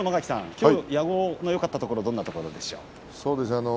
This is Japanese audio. きょうの矢後のよかったところはどこでしょうか。